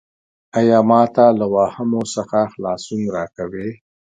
ایا ما ته له واهمو څخه خلاصون راکوې؟